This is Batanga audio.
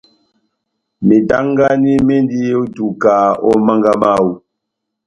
Metangani mendi ó ituka ó mánga mawú.